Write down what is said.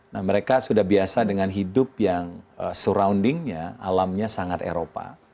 nah mereka sudah biasa dengan hidup yang soroundingnya alamnya sangat eropa